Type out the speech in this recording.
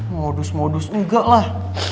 modus modus enggak lah